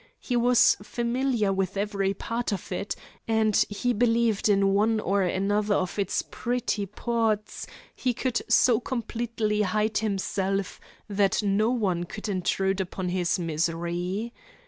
He was familiar with every part of it, and he believed in one or another of its pretty ports he could so completely hide himself that no one could intrude upon his misery.